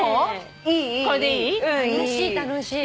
楽しい楽しい。